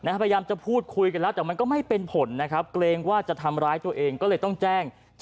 พยายามจะพูดคุยกันแล้วแต่มันก็ไม่เป็นผลนะครับ